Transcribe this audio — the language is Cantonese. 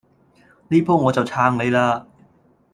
呢鋪我就撐你嘞